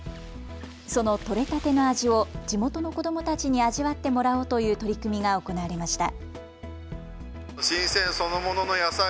その取れたての味を地元の子どもたちに味わってもらおうという取り組みが行われました。